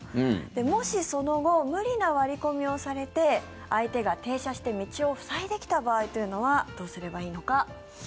もし、その後無理な割り込みをされて相手が停車して道を塞いできた場合というのはどうすればいいのか。